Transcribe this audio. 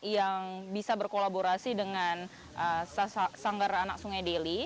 yang bisa berkolaborasi dengan sanggar anak sungai deli